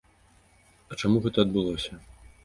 А чаму гэта адбылося?